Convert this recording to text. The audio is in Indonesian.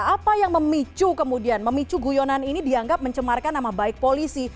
apa yang memicu kemudian memicu guyonan ini dianggap mencemarkan nama baik polisi